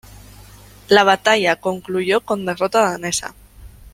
La batalla concluyó con derrota danesa.